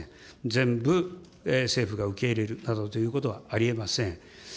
全部、政府が受け入れるなどということはありえません。